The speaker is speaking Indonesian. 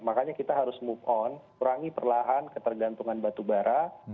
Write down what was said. makanya kita harus move on kurangi perlahan ketergantungan batu bara